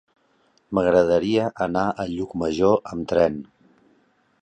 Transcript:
M'agradaria anar a Llucmajor amb tren.